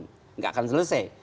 tidak akan selesai